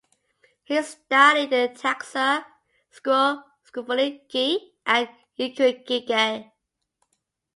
He studied the taxa Scrophulariaceae and Ericaceae.